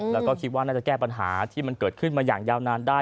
แล้วก็คิดว่าน่าจะแก้ปัญหาที่มันเกิดขึ้นมาอย่างยาวนานได้